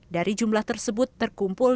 dari jumlah tersebut terkumpul